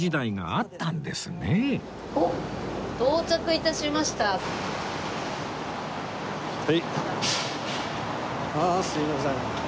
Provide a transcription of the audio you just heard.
ああすいません。